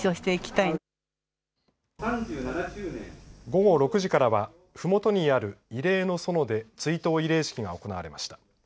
午後６時からは、ふもとにある慰霊の園で追悼慰霊式が行われました。